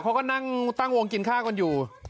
เขาก็นั่งตั้งวงกินข้าวกันอยู่